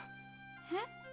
えっ？